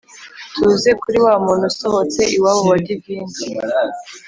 tuze kuri wamuntu usohotse iwabo wa divine